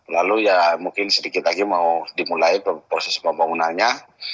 lalu ya mungkin sedikit lagi mau dimulai proses pembangunannya